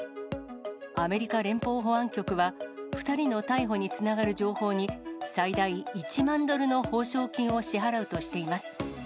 アメリカ連邦保安局は、２人の逮捕につながる情報に、最大１万ドルの報奨金を支払うとしています。